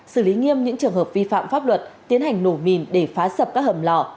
xử lý nghiêm những trường hợp vi phạm pháp luật tiến hành nổ mìn để phá sập các hầm lò